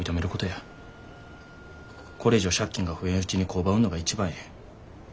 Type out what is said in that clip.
これ以上借金が増えんうちに工場売んのが一番ええ。